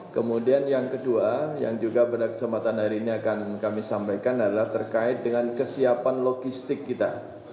kemudian yang kedua yang juga pada kesempatan hari ini akan kami sampaikan adalah terkait dengan kesiapan logistik kita